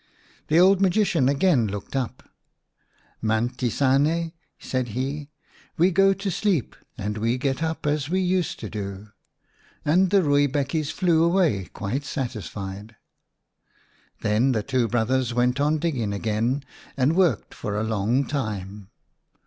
The old magician again looked up. " Mant siane," 2 said he, " we go to sleep and we get up as we used to do "; and the rooibekkies flew away quite satisfied. Then the two brothers went on digging again, and worked for a long time.